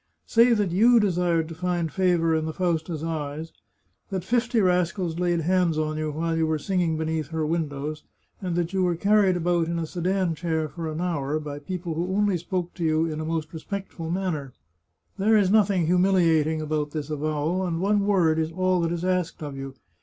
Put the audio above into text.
Say that you desired to find favour in the Fausta's eyes, that fifty rascals laid hands on you while you were singing beneath her windows, and that you were carried about in a sedan chair for an hour by people who only spoke to you in a most respectful man ner. There is nothing humiliating about this avowal, and one word is all that is asked of you.